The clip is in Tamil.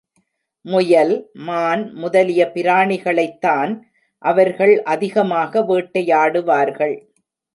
முயல், மான் முதலிய பிராணிகளைத் தான் அவர்கள் அதிகமாக வேட்டையாடுவார்கள்.